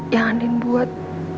yang andin buat